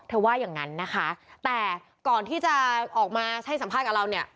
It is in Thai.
ว่าอย่างนั้นนะคะแต่ก่อนที่จะออกมาให้สัมภาษณ์กับเราเนี่ย